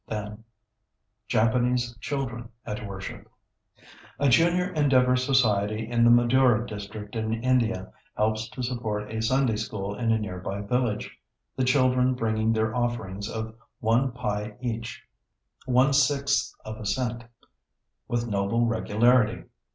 [Illustration: JAPANESE CHILDREN AT WORSHIP] A Junior Endeavor Society in the Madura District in India helps to support a Sunday School in a near by village, the children bringing their offerings of one pie each (one sixth of a cent) with noble regularity.